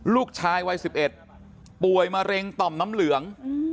ลูกชายวัย๑๑ป่วยมะเร็งต่อมน้ำเหลือง